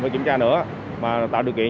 phải kiểm tra nữa mà tạo điều kiện